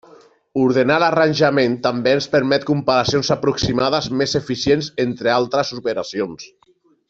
Ordenar l'arranjament també ens permet comparacions aproximades més eficients, entre altres operacions.